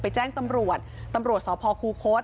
แจ้งตำรวจตำรวจสพคูคศ